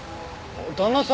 旦那さん